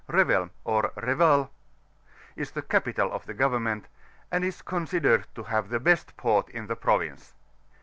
ftXTSXy ov MBVAX^ is the capital of the Government, and is considered to have tiie best port in the province.